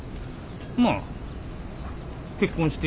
まあ。